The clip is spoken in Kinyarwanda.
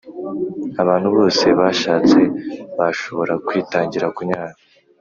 Abantu bose bashatse bashobora kwitangira kunyara